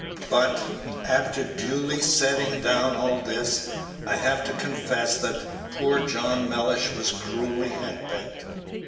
But, after duly setting down all this, I have to confess that poor John Mellish was cruelly hen pecked.